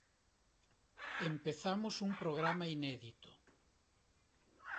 Empezamos un programa inédito.